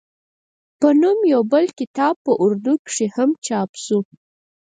پۀ نوم يو بل کتاب پۀ اردو کښې هم چاپ شو